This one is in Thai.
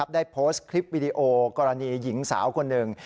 ได้โพสต์คลิปวิดีโอกรณีหญิงสาวคนหนึ่ง